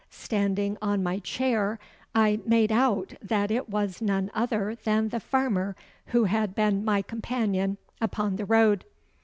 Standing on my chair I made out that it was none other than the farmer who had been my companion upon the road.